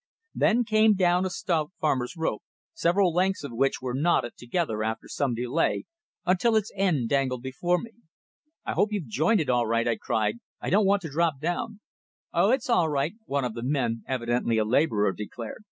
Then down came a stout farmer's rope, several lengths of which were knotted together after some delay, until its end dangled before me. "I hope you've joined it all right," I cried. "I don't want to drop down!" "No, it's all right!" one of the men evidently a labourer declared.